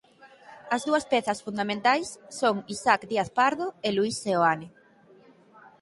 As dúas pezas fundamentais son Isaac Díaz Pardo e Luís Seoane.